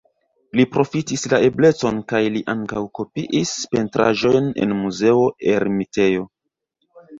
Li profitis la eblecon kaj li ankaŭ kopiis pentraĵojn en Muzeo Ermitejo.